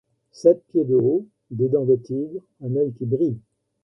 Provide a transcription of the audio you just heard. Sept pieds de haut, des dents de tigre, un oeil qui brille